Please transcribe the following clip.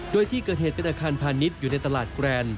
โดยที่เกิดเหตุเป็นอาคารพาณิชย์อยู่ในตลาดแกรน